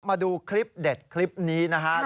มาดูคลิปเด็ดคลิปนี้นะครับ